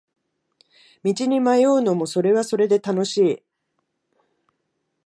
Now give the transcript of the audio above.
道に迷うのもそれはそれで楽しい